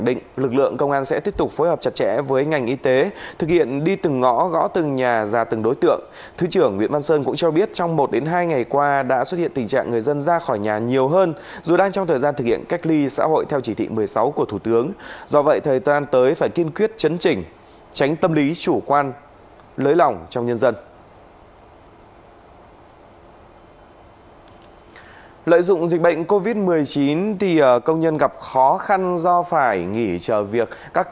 đây cũng là một trong nhiều trường hợp lực lượng chức năng đã xử lý trong thời gian thực hiện chỉ thị một mươi sáu của thủ tướng chính phủ trong thời gian vừa qua